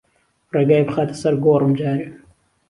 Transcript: ڕێگای بخاتە سەر گۆڕم جارێ